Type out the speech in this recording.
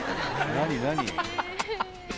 何？